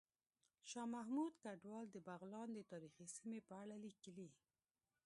شاه محمود کډوال د بغلان د تاریخي سیمې په اړه ليکلي